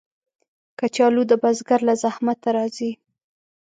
کچالو د بزګر له زحمته راځي